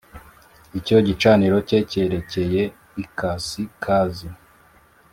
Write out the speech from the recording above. icyo gicaniro cye cyerekeye ikasikazi